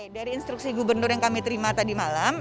dari instruksi gubernur yang kami terima tadi malam